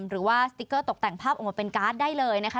สติ๊กเกอร์ตกแต่งภาพออกมาเป็นการ์ดได้เลยนะคะ